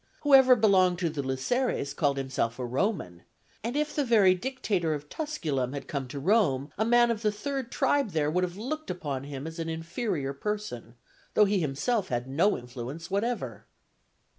Whoever belonged to the Luceres called himself a Roman, and if the very dictator of Tusculum had come to Rome, a man of the third tribe there would have looked upon him as an inferior person, though he himself had no influence whatever.